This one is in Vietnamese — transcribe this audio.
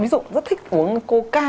ví dụ rất thích uống coca